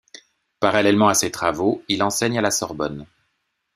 Parallèlement à ses travaux, il enseigne à la Sorbonne.